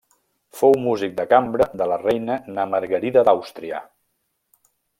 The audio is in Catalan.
Fou músic de cambra de la reina Na Margarida d'Àustria.